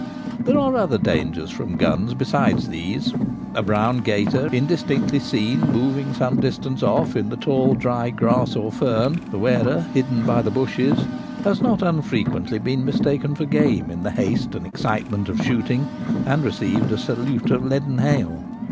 There are other dangers from guns beside these. A brown gaiter indistinctly seen moving some dis tance off in the tall dry grass or fern — the wearer hidden by the bushes — has not unfrequently been mistaken for game in the haste and excitement of shooting, and received a salute of leaden hail.